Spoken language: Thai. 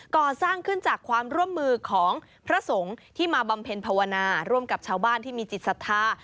ก่อสร้างขึ้นจากความร่วมมือของพระสงฆ์ที่มาบำเพ็ญภาวนาร่วมกับชาวบ้านที่มีจิตศรัทธา